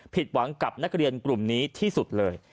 ผิดหวังกับนักเรียนกลุ่มนี้ที่สุดเลย